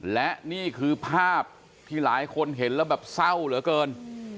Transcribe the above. และนี่คือภาพที่หลายคนเห็นแล้วแบบเศร้าเหลือเกิน